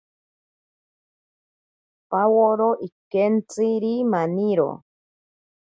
Paworo ikentziri maniro.